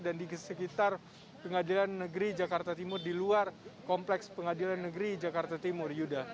dan di sekitar pengadilan negeri jakarta timur di luar kompleks pengadilan negeri jakarta timur